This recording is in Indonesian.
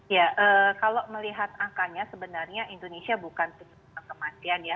ya kalau melihat angkanya sebenarnya indonesia bukan tujuh kematian ya